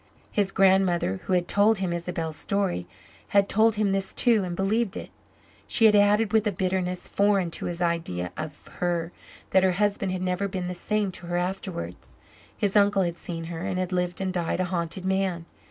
His grandmother, who had told him Isabel's story, had told him this too, and believed it. She had added, with a bitterness foreign to his idea of her, that her husband had never been the same to her afterwards; his uncle had seen her and had lived and died a haunted man.